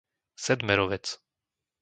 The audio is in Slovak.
Sedmerovec